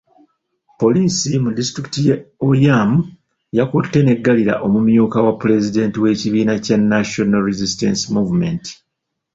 Poliisi mu disitulikiti y'e Oyam, yakutte n'eggalira omumyuka wa Pulezidenti w'ekibiina kya National Resistance Movement.